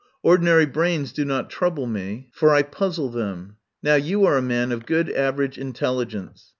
Ordinary brains do not trouble me, for I puzzle them. Now you are a man of good average intelligence.